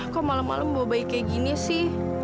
kok malam malam bawa bayi seperti ini